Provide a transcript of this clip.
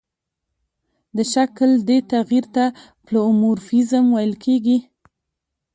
د شکل دې تغیر ته پلئومورفیزم ویل کیږي.